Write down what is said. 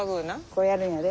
こうやるんやで。